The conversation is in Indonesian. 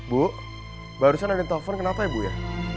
bu barusan ada yang telfon kenapa ya ibu ya